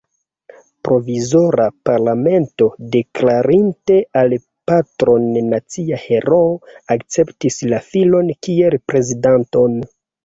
Provizora parlamento, deklarinte la patron nacia heroo, akceptis la filon kiel prezidanton.